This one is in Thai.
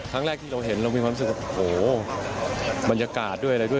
ที่เราเห็นเรามีความรู้สึกว่าโหบรรยากาศด้วยอะไรด้วย